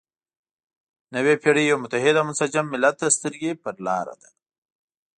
نوې پېړۍ یو متحد او منسجم ملت ته سترګې په لاره ده.